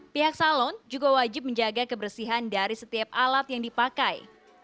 pihak salon juga wajib menjaga kebersihan dari setiap alat yang dipakai